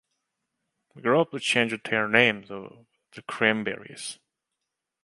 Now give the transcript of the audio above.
The group changed their name to "The Cranberries".